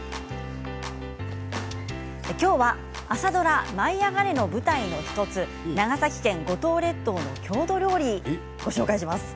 今日は朝ドラ「舞いあがれ！」の舞台の１つ長崎県五島列島の郷土料理をご紹介します。